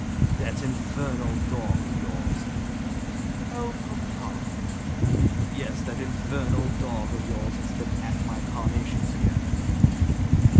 "That infernal dog of yours " "Oh, papa!" "Yes, that infernal dog of yours has been at my carnations again!"